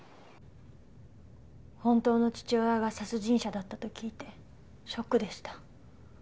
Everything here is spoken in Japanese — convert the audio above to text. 本当の父親が殺人者だったと聞いてショックでした。